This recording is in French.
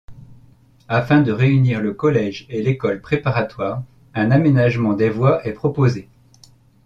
Afin de réunir le collège et l’école préparatoire, un aménagement des voies est proposé.